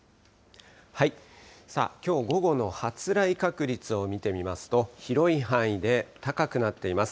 きょう午後の発雷確率を見てみますと、広い範囲で高くなっています。